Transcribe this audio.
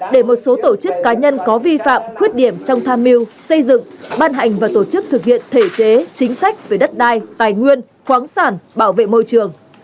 để một số tổ chức cá nhân có vi phạm khuyết điểm trong tham mưu xây dựng ban hành và tổ chức thực hiện thể chế chính sách về đất đai tài nguyên khoáng sản bảo vệ môi trường